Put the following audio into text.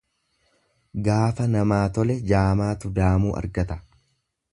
Gaafa namaa tole jaamaatu daamuu argata.